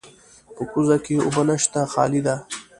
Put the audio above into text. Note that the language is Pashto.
په کوزه کې اوبه نشته، خالي ده.